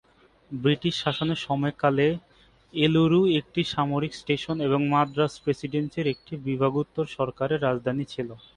British শাসনের সময়কালে এলুরু একটি সামরিক স্টেশন এবং মাদ্রাজ প্রেসিডেন্সির একটি বিভাগ উত্তর সরকারের রাজধানী ছিল।